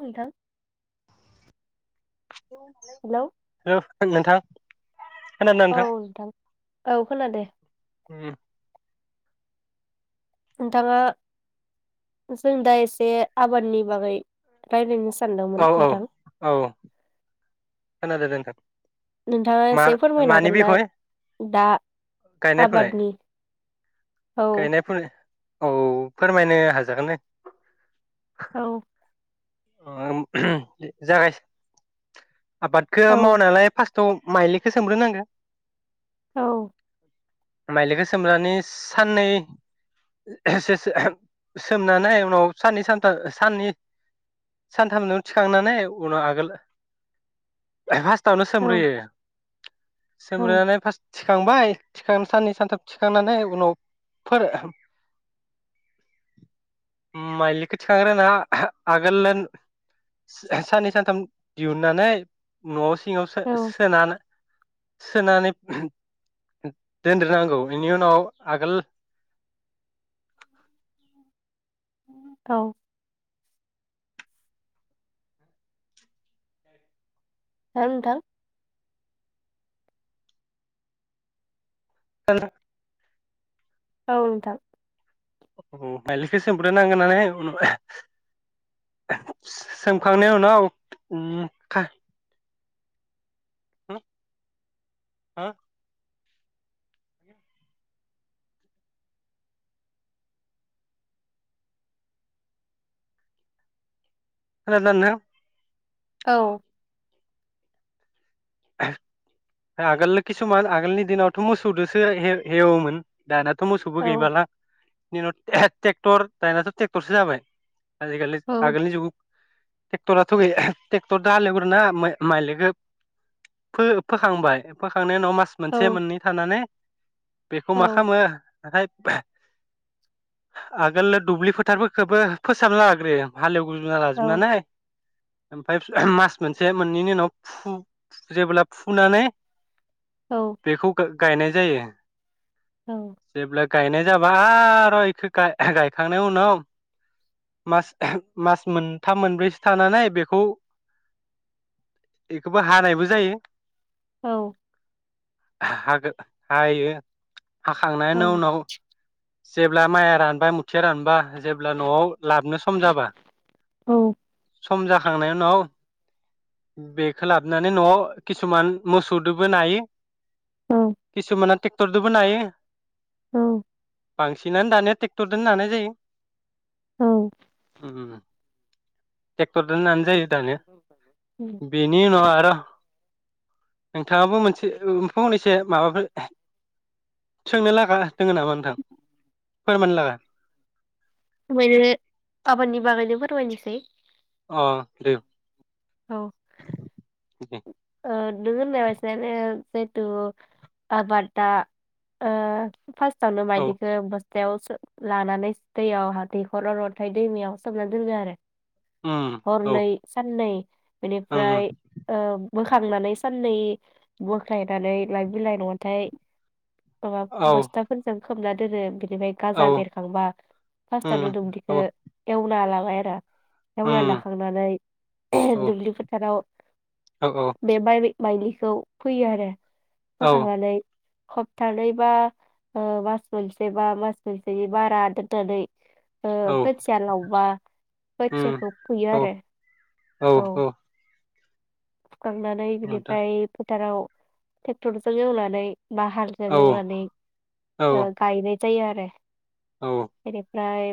नोंथां hello hello नोंथां औ नोंथां औ खोनादों ओम नोंथाङा जों दा एसे आबादनि बागै रायज्लायनो सान औ औ औ खोनादों दे नोंथां नोंथाङा मा एसे फोरमायनो मानि हागोन ना बिखय दा गायनाय फुनाय आबादनि औ गायनाय फुनाय औ फोरमायनो हाजागोन दे औ जागाय आबादखौ औ मावनायालाय फार्स्ट थ' माइलिखौ सोमग्रो नांगोन औ माइलिखौ सोमनानै साननै सो- सो सोमनानै उनाव साननै सानथाम साननै सानथामजों थिखांनानै उनाव आगोल फार्स्टावनो औ सोमग्रोयो औ सोमग्रोनानै फार्स्ट थिखांबाय थिखांनानै साननै सानथाम थिखांनानै उनावफोर माइलिखौ थिखांग्रोना आगोल साननै सानथाम दिहुननानै न'आव सिङावो सो- औ सोनानै सोनानै दोनग्रोनांगौ बेनि उनाव आगोल औ हो नोंथां [unintelligible] औ नोंथां माइलिखौ सोमग्रो नांगोन नालाय उनाव सोमखांनायनि उनाव ओम हो हो खोनादोंना नोंथां औ आगोलनो किसुमान आगोलनि दिनावथ' मोसौजोंसो हे - हेवोमोन दाना थ मोसौबो औ गैबालां [unintelligible] ए ट्रेक्टर दानाथ' ट्रेक्टरसो जाबाय औ [unintelligible] जुग ट्रेक्ट'राथ' गैया ट्रेक्टरदो हालएवग्रो ना माइलिखो फो- फोखांबाय फोखांनाय मास औ मोनसे मोननै थानानै बेखौ मा खामो औ नाथाय आगोल दुब्लि फोथारफोरखौबो फोसाबना लाग्रोयो हालेव ना औ लाजोबनानै ओमफाय मास मोनसे मोननैनि उनाव फु जेब्ला फुनानै बेखौ गा-गायनाय जायो औ जेब्ला गायनाय जाबा आर' इखौ गाय गायखांनाय उनाव मास मास मोन थाम मोनब्रै सो थानानै बेखौ इखौबो हानाय बो जायो औ हागो हायो हाखांनायानो उनाव जेब्ला माया रानबाय थिया रानबा जेब्ला न'आव लाबनो सम जाबा औ सम जा थांनाय उनाव बेखो लाबना नि न'आव किसुमान मोसौदो बोनो हायो। किसुमाना टेक्टर दोबो नायो। ओम बांसिनानो दानिया टेक थर दोनो नानाय जायो। उम टेक्टर दोनो नानाय जायो दानिया बेनि उनाव आरो नोंथाङाबो मोनसे ओ फंनैसो माबाफोर सोंनो लागा दोङो नामा नोंथां फोरमायनो लागा? [unintelligible] आबादनि बागैनो फोरमायनोसै। अ दे औ उम ओ नों होननाय बायसा यानो जिहेथु आबादा ओ फास्ट सावनो औ मायलिखो बस याव सो लानानै दैयाव हा दैखर अरथाय दैमायाव सोमना दोनगो आरो। उम औ हरनै साननै बेनिफ्राय उम ओ बोखांनानै साननै बोखायनानै लाइ बिलाइ नङाथाय माबा औ बसथाफोर जों। खोबना दोनो बि निफ्राय औ गाजा बेरखांबा फास्ट आवनो उम दुब्लिखो औ एव [unintelligible] बार रा एवना उम लाखांनानै औ दुब्लि फोथाराव औ औ बेबाइरि माइलिखौ फैयो आरो औ फोखांनानै हप्थानैबा ओ मास मोनसे बा मास मोनसेनि बारा दोन नानै ओ औ खोथिया लावबा उम खोथियाखौ फोयो औ आरो औ फुखांनानै नोंथां बिनिफ्राय फोथाराव ट्रेक्टरजों एवनानै बा हालजों औ एवनानै ओ औ गायनाय जायो आरो औ ओमफ्राय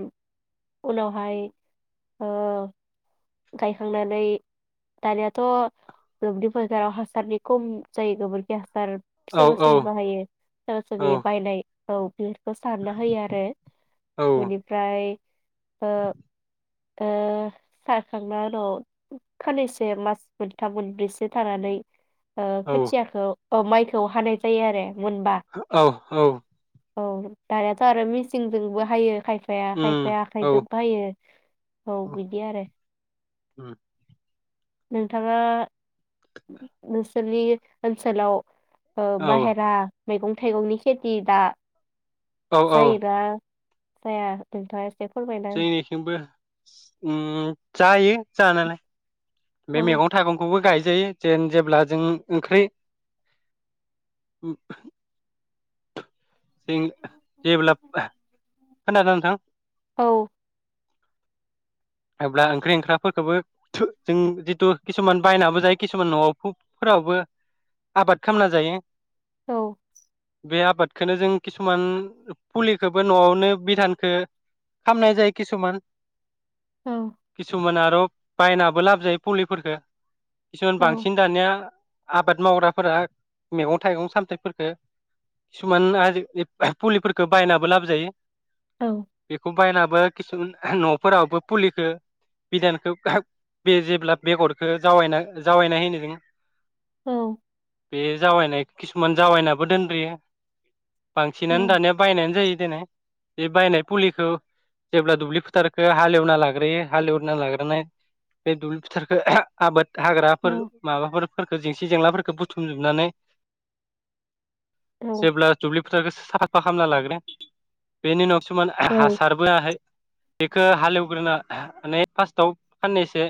उनावहाय ओ गायखांनानै दानियाथ' दुब्लि फोथाराव हासारनि खम जायो गोबोरखि हासार औ सोरबा सोरबि बाहायो सोरबा औ सोरबि बायनाय औ बे बे खौ सारना होयो आरो औ बेनिफ्राय ओ ओ सारखांना उनाव खाननैसे मास मोनथाम मोनब्रैसो थानानै ओ औ खोथियाखौ अ माइखौ हानाय जायो आरो मोनबा औ औ औ दानाथ' आरो मेसिंजोंबो हायो खायफाया उम खायफाया औ आखाइजोबो हायो औ बिदि आरो ओम नोंथाङा नोंसोरनि ओनसोलाव ओ औ बाहेरा मैगं थाइगंनि खेथि दा औ औ जायोना जाया नोंथां जोंनिथिंबो ओम जायो जानालाय बे हो मैगं थाइगंखौबो गाय जायो जेब्ला जों ओंख्रि जेब्ला खोनादों नोंथां औ अब्ला ओंख्रि ओंखामफोरखौबो जों जिथु किसुमान बायनाबो जायो किसुमान न'आव फोरावबो आबाद खालामना जायो औ बे आबादखोनो जों किसुमान फुलिखौबो न'आवनो बिधानखो खामनाय जायो किसुमान औ किसुमाना बायनाबो लाबो जायो फुलिफोरफोरखौ किसुमान औ बांसिन दानिया आबाद मावग्राफोरा मेगं थाइगं सामथायाइफोरफोरखौ किसुमान आजिखालि फुलिफोरफोरखो बायनाबो लाबो जायो औ बेखौ बायनाबो किसुमान न'फोरावबो फुलिखौ बिदानखौ बे जेब्ला बेगरखौ जावना जावैनाय होनो जों औ बे जावायनाय किसुमान जावायनाबो दोनदयो औ बांसिनानो दानिया बायनानै जायो दोनो बे बायनाय फुलिखौ जेब्ला दुब्लि फोथारखौ हालेवना लाग्रोयो हालेवना लाग्रोनाय बे दुब्लि फोथारखो आबाद औ हाग्राफोर माबाफोर फोरखो जेंसि जेंलाफोरखौ बुथुमजोबनानै औ औ जेब्ला दुब्लि फोथारखो साफा खालामना लागोन बेनि उनाव किसुमान औ हासारबोआहाय बेखौ हालेवग्रोन माने फार्स्टआव साननैसो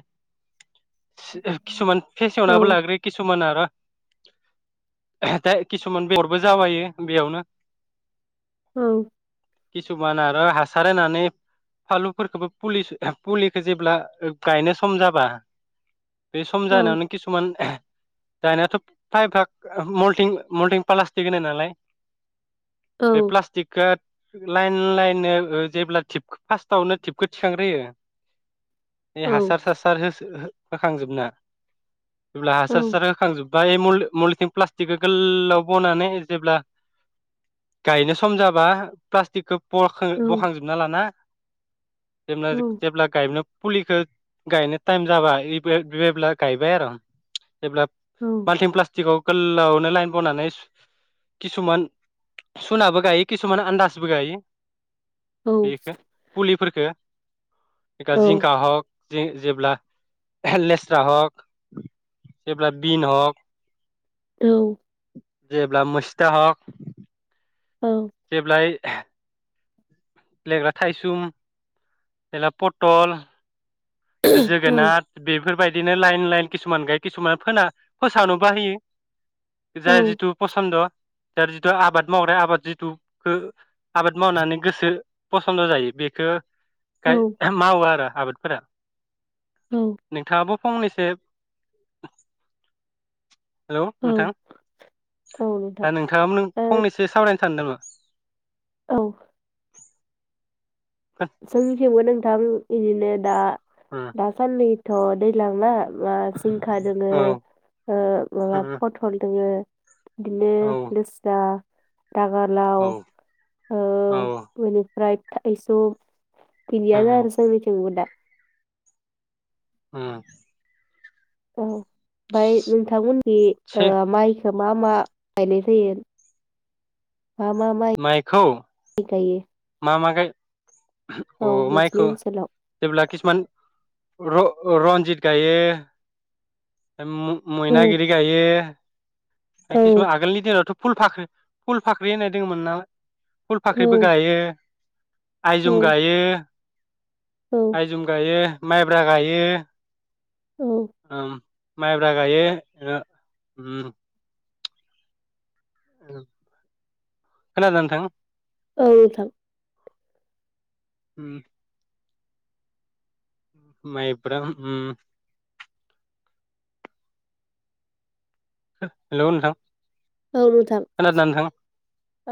किसुमान औ फेसेवनाबो लाग्रो किसुमान आरो दा किसुमान बेगरबो जावायो बेयावनो औ किसुमान आरो हासार होनानै फालुफोरखौबोफुलि फुलिखो जेब्ला गायनो सम जाबा बे सम औ जानायावनो किसुमान दानायाथ' फायभाग मलटिं मलटिं प्लास्टिक होनाय नालाय औ बे प्लास्टिको लाइन लाइन ओ जेब्ला टिप फार्स्टावनो टिपखौ थिखांग्रोयो ए हासार सासार हो फोखांजोबना जेब्ला औ हासार हासार होखांजोब बा मथिं प्लास्टिकखौ गोलाव बनानै जेब्ला गायनो सम जाबा प्लास्टिकखौ बख बखांजोबना लाना औ [unintelligible] फुलिखौ गायनो टाइम जाबा बेब्ला गायबाय आरो जेब्ला माल्टिन प्लास्टिकआव गोलावनो लाइन बनानै किसुमान सुनाबो गायो किसुमान आन्दास बो गायो औ बेखो फुलिफोरखो ए जिंखा हक जे जेब्ला लेस्रा हक जेब्ला बिन हक औ जेब्ला मोसता हक जेब्ला [unintelligible] लेग्रा थाइसुम [unintelligible] पटल जोगोनाथ बेफोरबायदि बिदिनो लाइन लाइन किसुमान गाय किसुमान फोना फोसानोबा होयो औ जाय जिथु फसन्द दा जिथु आबाद मावग्रा आबाद जिथु ओ आबाद मावनानै गोसो फसन्द' जायो बेखो औ मावो आरो आबादफोरा औ नोंथाङाबो फंनैसो हेलौ औ नोंथां नोंथां आ नोंथाङाबो फंनैसो सावरायनो सानो नामा औ जोंनिखैबो नों थां इदिनो दा दासान्दि थ' दैलां ना मा जिंखा दोङो औ ओ माबा उम पथल दोङो बिदिनो औ लेस्रा [unintelligible] लाव औ ओमफ्राय थाइजौ उम [unintelligible] ओम औ ओमफाय नोंथांमोननि से ओ माइ मा मा गायनाय जायो मा मा माइ माइखौ गायो मा मा गाय औ अ नोंसिनि माइखौ ओनसोलाव? जेब्ला किसुमान र-रन्जित गायो औ मो-मैनागिरि गायो किसुमान आगोलनि दिनावथ' फुलफाख्रि फुलफाख्रि होननाय दोङमोन ना औ फुलफाख्रिबो गायो औ आइजुम गायो औ आइजुम गायो माइब्रा गायो औ ओम माइब्रा गायो ओ ओम ओ खोनादों नोथां औ नोंथां ओम माइब्रा ओम हेलौ नोंथां औ नोंथां खोनादोंना नोंथां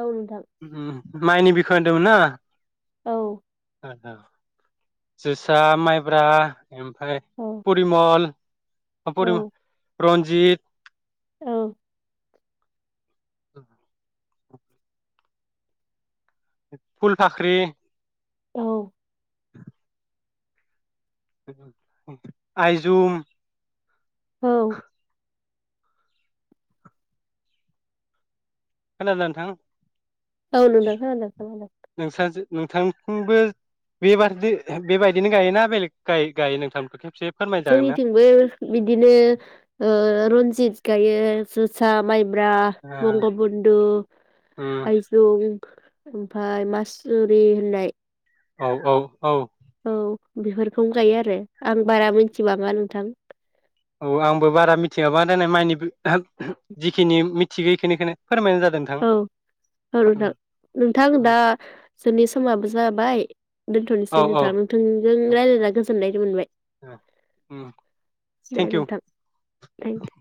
औ नोंथां उम माइनि बिखय होनदोंमोन ना औ अ अ जोसा माइब्रा ओमफाय औ परिमल अ फरिम' औ रन्जित औ फुलफाख्रि औ आइजुम औ खोनादोंना नोंथां औ नोंथां खोनादों खोनादों नोंसा नोंथांथिंबो बेबारदि बेबायदिनो गायोना बेलेग गा-गायो नोंथां [unintelligible] जोंनिथिंबो बिदिनो ओ रन्जित गायो जोसा माइ ब्रा बंगबन्धु ओ आइजुं ओमफाय मासुरि होननाय औ औ औ औ बेफोरखौनो गायो आरो आं बारा मिनथिबाङा नोंथां औ आंबो बारा मिथियाबा देनाय माइनि [unintelligible] जिखिनि मिथिगो इखिनिखोनो औ औ नोंथां नोंथां दा जोंनि समाबो जाबाय औ दोनथ'नोसै औ नोंथां नोंथांजों रायज्लायना गोजोननाय मोनबाय दे थेंकिउ नोंथां थेंक